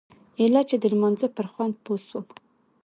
ايله چې د لمانځه پر خوند پوه سوم.